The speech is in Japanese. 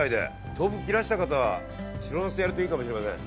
豆腐切らした方は白ナスでやるといいかもしれません。